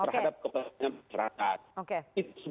terhadap kepentingan rakyat